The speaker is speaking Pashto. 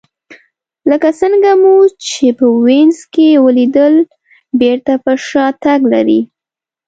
لکه څنګه مو چې په وینز کې ولیدل بېرته پر شا تګ لري